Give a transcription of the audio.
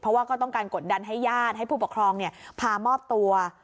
เพราะว่าก็ต้องการกดดันให้ญาติให้ผู้ปกครองพามอบตัว